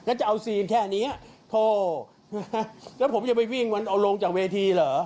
ก็จะเอาซีนแค่เนี้ยโถแล้วผมจะไปวิ่งมันเอาลงจากเวทีเหรอ